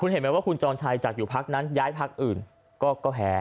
เห็นไหมว่าคุณจรชัยจากอยู่พักนั้นย้ายพักอื่นก็แพ้